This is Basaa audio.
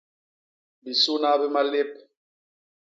Bisuna bi malép.